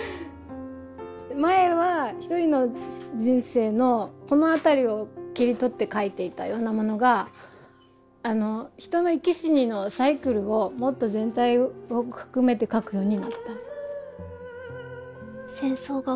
前は一人の人生のこの辺りを切り取って描いていたようなものが人の生き死にのサイクルをもっと全体を含めて描くようになった。